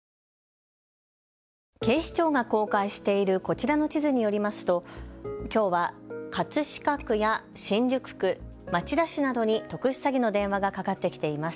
警視庁が公開しているこちらの地図によりますときょうは葛飾区や新宿区、町田市などに特殊詐欺の電話がかかってきています。